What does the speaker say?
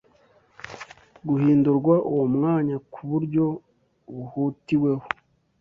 guhindurwa uwo mwanya ku buryo buhutiweho